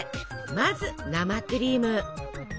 まず生クリーム。